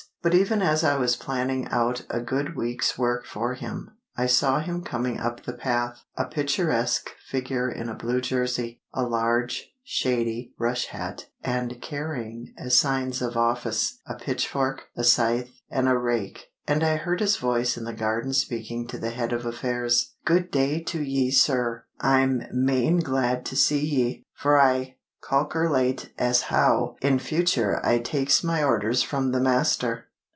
But even as I was planning out a good week's work for him, I saw him coming up the path, a picturesque figure in a blue jersey, a large, shady, rush hat, and carrying, as signs of office, a pitch fork, a scythe, and a rake; and I heard his voice in the garden speaking to the Head of Affairs: "Good day to 'ee, sir. I'm main glad to see 'ee, for I calkerlate as how in future I takes my orders from the master."